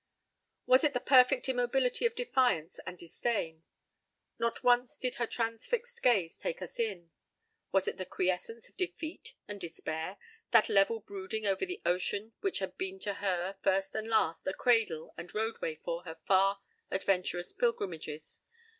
p> Was it the perfect immobility of defiance and disdain? Not once did her transfixed gaze take us in. Was it the quiescence of defeat and despair—that level brooding over the ocean which had been to her, first and last, a cradle and roadway for her far, adventurious pilgrimages?